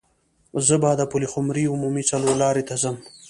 زه به د پلخمري عمومي څلور لارې ته ځم.